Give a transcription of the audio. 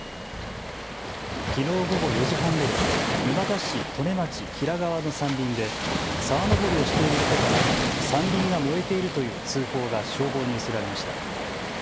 きのう午後４時半ごろ、沼田市利根町平川の山林で沢登りをしている人から山林が燃えているという通報が消防に寄せられました。